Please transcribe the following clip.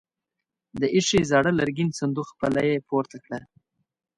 د ايښې زاړه لرګين صندوق پله يې پورته کړه.